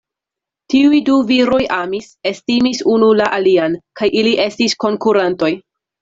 Tiuj du viroj amis, estimis unu la alian; kaj ili estis konkurantoj.